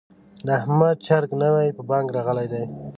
د احمد چرګ نوی په بانګ راغلی دی.